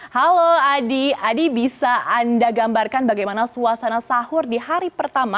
halo adi adi bisa anda gambarkan bagaimana suasana sahur di hari pertama